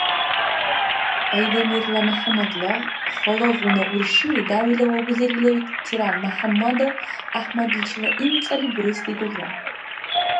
Айдамирла МяхӀяммадла халалгъуна урши, дявила ва бузерила ветеран МяхӀяммадов ГӀяхӀмадличила имцӀали бурес дигулра.